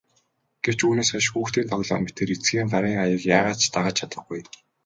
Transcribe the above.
Гэвч үүнээс хойш хүүхдийн тоглоом мэтээр эцгийн гарын аяыг яагаад ч дагаж чадахгүй.